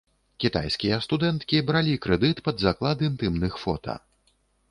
Кітайскія студэнткі бралі крэдыт пад заклад інтымных фота.